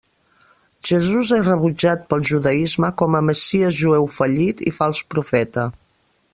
Jesús és rebutjat pel judaisme com a 'messies jueu fallit' i fals profeta.